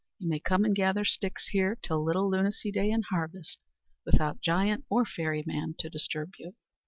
You may come and gather sticks here till little Lunacy Day in Harvest, without giant or fairy man to disturb you."